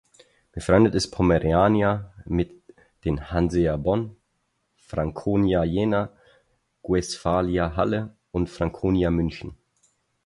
Befreundet ist Pomerania mit den Hansea Bonn, Franconia-Jena, Guestphalia Halle und Franconia München.